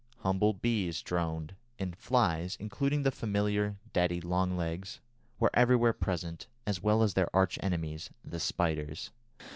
Humble bees droned, and flies, including the familiar daddy long legs, were everywhere present, as well as their arch enemies, the spiders.